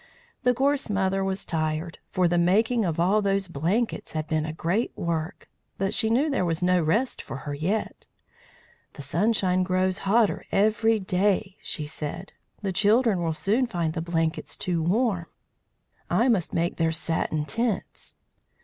The Gorse Mother was tired, for the making of all those blankets had been a great work. But she knew there was no rest for her yet. "The sunshine grows hotter every day," she said. "The children will soon find the blankets too warm. I must make their satin tents."